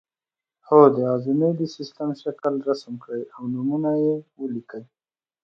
هو د هاضمې د سیستم شکل رسم کړئ او نومونه یې ولیکئ